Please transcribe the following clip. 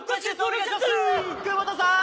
久保田さーん！